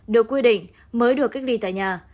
được quy định mới được cách ly tại nhà